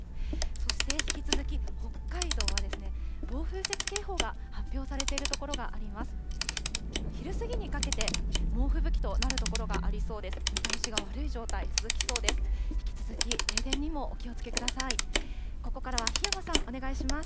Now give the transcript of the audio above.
そして引き続き北海道は、暴風雪警報が発表されている所があります。